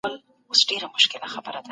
دا د نن ورځې سواد دی.